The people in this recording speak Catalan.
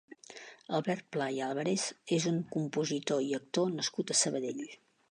Albert Pla i Álvarez és un compositor i actor nascut a Sabadell.